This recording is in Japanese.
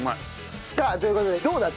さあという事でどうだった？